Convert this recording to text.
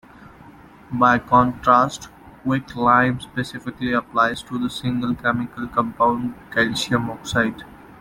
By contrast, "quicklime" specifically applies to the single chemical compound calcium oxide.